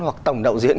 hoặc tổng đạo diễn